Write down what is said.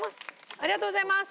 ありがとうございます！